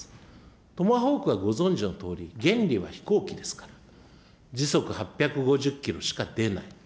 トマホークはご存じのとおり、原理は飛行機ですから、時速８５０キロしか出ない。